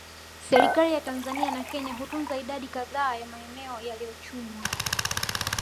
Serikali ya Tanzania na Kenya hutunza idadi kadhaa ya maeneo yaliyochunwa